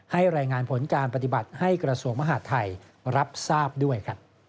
รายงานผลการปฏิบัติให้กระทรวงมหาดไทยรับทราบด้วย